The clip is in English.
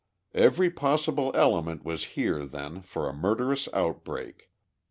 Every possible element was here, then, for a murderous outbreak.